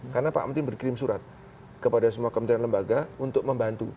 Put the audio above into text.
karena pak amtin berkirim surat kepada semua kementerian lembaga untuk membantu